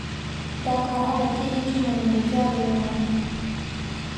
دا کار هله کېږي چې نیمګړتیاوې ومني.